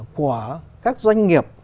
của các doanh nghiệp